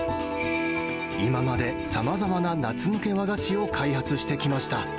今までさまざまな夏向け和菓子を開発してきました。